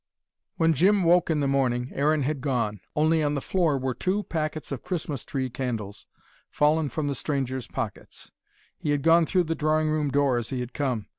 When Jim woke in the morning Aaron had gone. Only on the floor were two packets of Christmas tree candles, fallen from the stranger's pockets. He had gone through the drawing room door, as he had come.